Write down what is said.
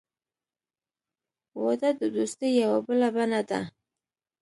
• واده د دوستۍ یوه بله بڼه ده.